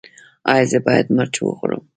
ایا زه باید مرچ وخورم؟